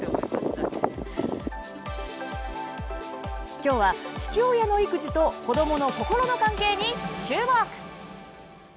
きょうは、父親の育児と子どものココロの関係にチューモク！